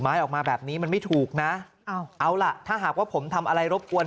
ออกมาแบบนี้มันไม่ถูกนะเอาล่ะถ้าหากว่าผมทำอะไรรบกวน